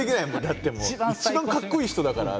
だって一番かっこいい人だから。